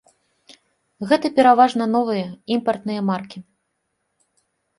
Гэта пераважна новыя імпартныя маркі.